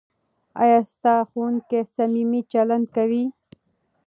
ایا ستا ښوونکی صمیمي چلند کوي؟